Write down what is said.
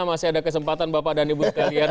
masih ada kesempatan bapak dan ibu sekalian